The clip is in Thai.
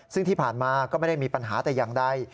ซึ่งที่ผ่านมาก็ไม่ได้มีปัญหาแต่อย่างใด